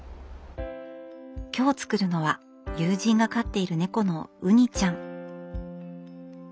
今日作るのは友人が飼っている猫のウニちゃん。